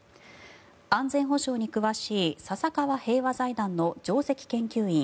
安全保障に詳しい笹川平和財団の上席研究員